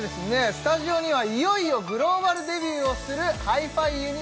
スタジオにはいよいよグローバルデビューをするＨｉ−ＦｉＵｎ！